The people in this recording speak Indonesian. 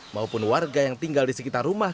maupun warga yang tinggal di sekitar rumah